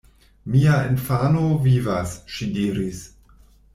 Mia infano vivas, ŝi diris.